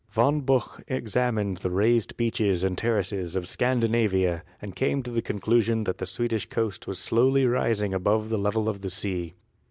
Von Buch examined the raised beaches and the terraces of Scandinavia and came to the conclusion that the Swed ish coast was slowly rising above the level of the sea.